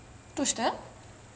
どうして？